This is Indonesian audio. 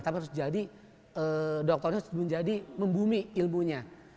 tapi harus jadi dokternya harus menjadi membumi ilmunya